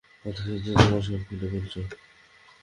পথে যেতে যেতে তোমাকে সব খুলে বলছি।